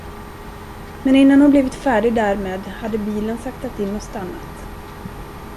Men innan hon blivit färdig därmed, hade bilen saktat in och stannat.